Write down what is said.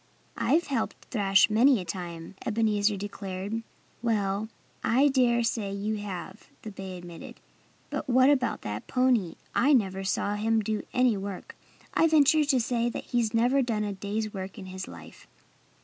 "I've helped thrash many a time," Ebenezer declared. "Well I dare say you have," the bay admitted. "But what about that pony? I never saw him do any work. I venture to say that he's never done a day's work in his life."